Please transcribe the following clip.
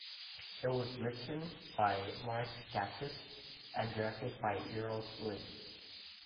It was written by Mark Gatiss and directed by Euros Lyn.